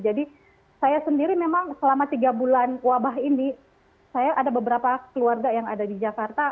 jadi saya sendiri memang selama tiga bulan wabah ini saya ada beberapa keluarga yang ada di jakarta